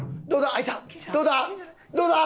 どうだ？